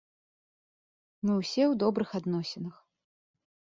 Мы ўсе ў добрых адносінах.